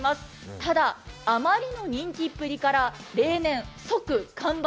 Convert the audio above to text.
ただ、あまりの人気っぷりから例年即完売。